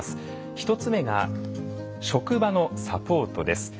１つ目が「職場のサポート」です。